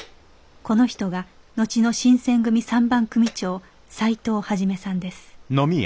この人が後の新選組三番組長斎藤一さんです